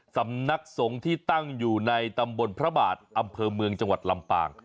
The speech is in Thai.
สำนักสงฆ์ที่ตั้งอยู่ในตำบลพระบาทอำเภอเมืองจังหวัดลำปาง